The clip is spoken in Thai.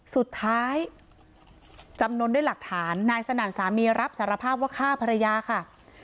สุดท้ายจำนวนด้วยหลักฐานนายสนั่นสามีรับสารภาพว่าฆ่าภรรยาค่ะ